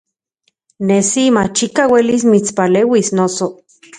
Nesi machikaj uelis mitspaleuis, noso.